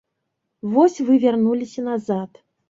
Вось вы вярнуліся назад.